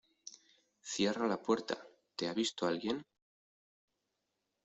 cierra la puerta. ¿ te ha visto alguien?